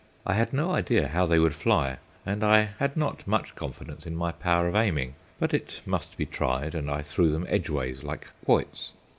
I had no idea how they would fly, and I had not much confidence in my power of aiming; but it must be tried, and I threw them edgeways, like quoits.